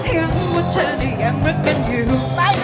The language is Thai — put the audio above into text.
ยังว่าเธอเนี่ยยังรักกันอยู่